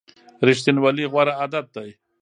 ریښتینولي غوره عادت دی.